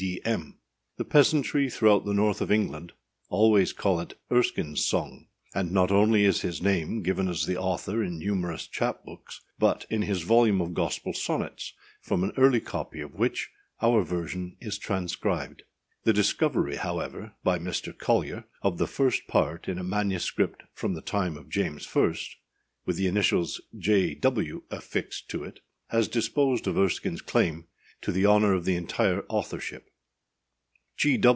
D.M.â The peasantry throughout the north of England always call it âErskineâs song,â and not only is his name given as the author in numerous chap books, but in his own volume of Gospel Sonnets, from an early copy of which our version is transcribed. The discovery however, by Mr. Collier, of the First Part in a MS. temp. Jac. I., with the initials G. W. affixed to it, has disposed of Erskineâs claim to the honour of the entire authorship.